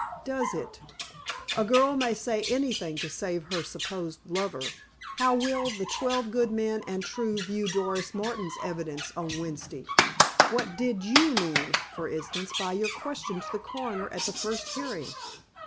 "Does it? A girl may say anything to save her supposed lover. How will the twelve good men and true view Doris Martin's evidence on Wednesday? What did you mean, for instance, by your question to the coroner at the first hearing?"